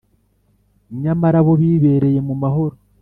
nyamara bo bibereye mu mahoro.